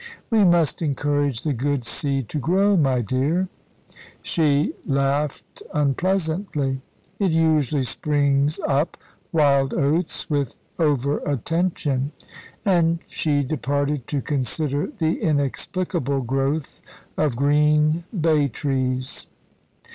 "We must encourage the good seed to grow, my dear." She laughed unpleasantly. "It usually springs up wild oats, with over attention!" and she departed to consider the inexplicable growth of green bay trees.